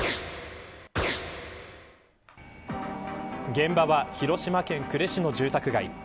現場は、広島県呉市の住宅街。